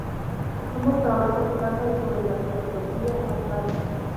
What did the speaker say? Ambos trabajos tratan sobre la filosofía Advaita.